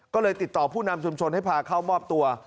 ก็เลยติดต่อผู้นำชุมชนให้พาเข้ามอบตัว